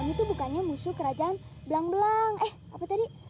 itu bukannya musuh kerajaan belang belang eh apa tadi